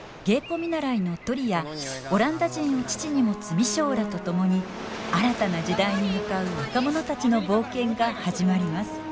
芸妓見習のトリやオランダ人を父に持つ未章らと共に新たな時代に向かう若者たちの冒険が始まります。